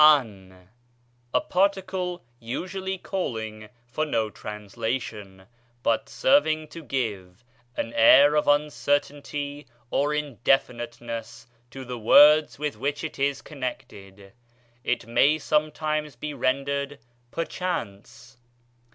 ἄν, a particle usually calling for no translation, but serving to give an air of uncertainty or indefiniteness to the words with which it is con nected. It may sometimes be rendered " perchance."